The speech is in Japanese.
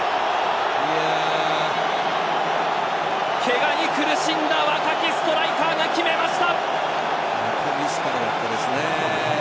けがに苦しんだ若きストライカーが決めました。